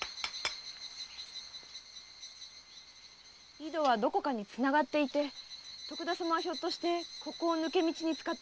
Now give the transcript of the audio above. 井戸はどこかにつながっていて徳田様はひょっとしてここを抜け道に使っているのかも。